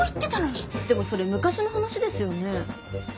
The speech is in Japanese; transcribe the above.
でもそれ昔の話ですよね？